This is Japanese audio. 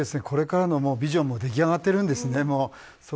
これからのビジョンがもう出来上がってるんですね。